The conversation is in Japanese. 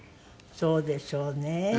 そうでしょうね。